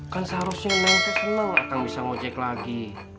kan seharusnya neng teh senang akang bisa ngojek lagi